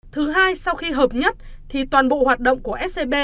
thứ hai sau khi hợp nhất thì toàn bộ hoạt động của scb